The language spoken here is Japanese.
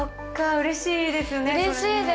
うれしいですね。